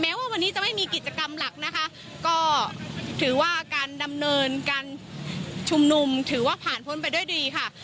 ว่าวันนี้จะไม่มีกิจกรรมหลักนะคะก็ถือว่าการดำเนินการชุมนุมถือว่าผ่านพ้นไปด้วยดีค่ะ